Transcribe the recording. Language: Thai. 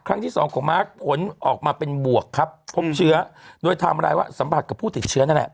ครั้งที่สองของมาร์คผลออกมาเป็นบวกครับพบเชื้อโดยไทม์ไลน์ว่าสัมผัสกับผู้ติดเชื้อนั่นแหละ